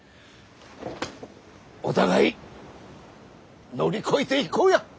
お互い乗り越えていこうや。